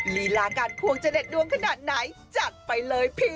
ลีลาการควงจะเด็ดดวงขนาดไหนจัดไปเลยพี่